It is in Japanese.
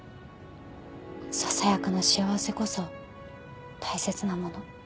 ささやかな幸せこそ大切なもの。